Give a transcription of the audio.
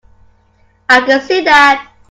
I can see that.